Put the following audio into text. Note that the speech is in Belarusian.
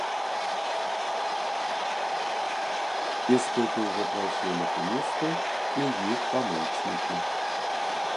Іспыты ўжо прайшлі машыністы і іх памочнікі.